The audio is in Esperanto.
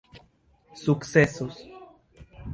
sukcesos